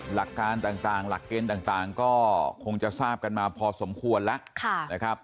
หลักการต่างหลักเกณฑ์ต่างก็คงจะทราบกันมาพอสมควรแล้วนะครับ